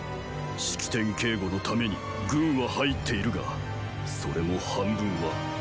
式典警護のために軍は入っているがそれも半分は呂不韋派。